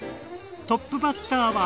トップバッターは。